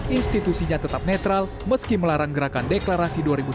institusinya tetap netral meski melarang gerakan deklarasi dua ribu sembilan belas